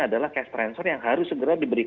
adalah cash transfer yang harus segera diberikan